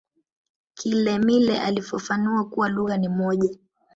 kilemile alifafanua kuwa lugha ni moja